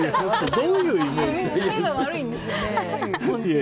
どういうイメージなんですか？